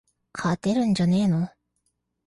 勝てるんじゃねーの